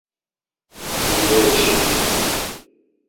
Oncereşi tude.